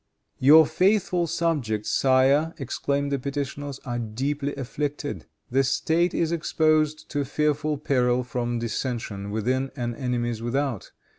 "Your faithful subjects, sire," exclaimed the petitioners, "are deeply afflicted. The State is exposed to fearful peril from dissension within and enemies without.